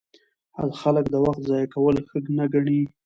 خلک د وخت ضایع کول ښه نه ګڼي.